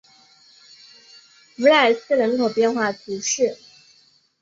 弗赖斯人口变化图示